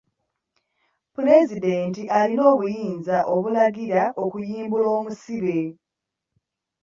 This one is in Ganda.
Pulezidenti alina obuyinza obulagira okuyimbula omusibe.